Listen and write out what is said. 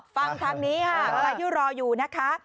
ฟังทางนี้ค่ะใครที่รออยู่นะคะ